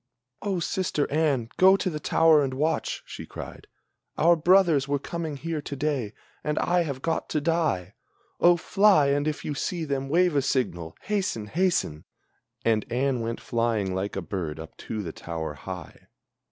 "O, sister Anne, go to the tower and watch!" she cried, "Our brothers Were coming here to day, and I have got to die! Oh, fly, and if you see them, wave a signal! Hasten! hasten!" And Anne went flying like a bird up to the tower high.